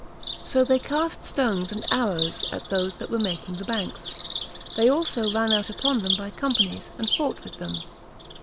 So they cast stones and arrows at those that were making the banks; they also ran out upon them by companies, and fought with them.